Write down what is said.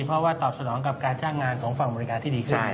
เพราะว่าตอบสนองกับการจ้างงานของฝั่งอเมริกาที่ดีขึ้น